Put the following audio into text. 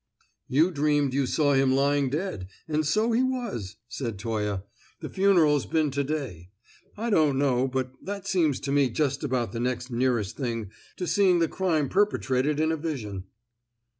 "You dreamed you saw him lying dead, and so he was," said Toye. "The funeral's been to day. I don't know, but that seems to me just about the next nearest thing to seeing the crime perpetrated in a vision."